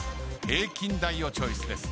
平均台をチョイスです。